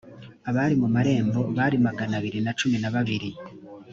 abari mu marembo bari magana abiri na cumi na babiri